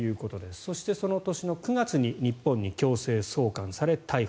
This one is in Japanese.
そして、その年の９月に日本に強制送還されて逮捕。